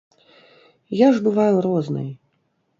Я ж бываю рознай.